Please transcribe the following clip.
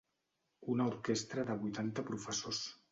Una orquestra de vuitanta professors.